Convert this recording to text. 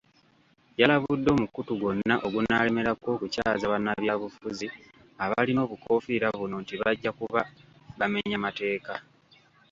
Yalabudde omukutu gwonna ogunaalemerako okukyaza bannabyabufuzi abalina obukoofiira buno nti bajja kuba bamenya mateeka.